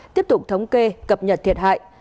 tiếp tục thống kê cập nhật thiệt hại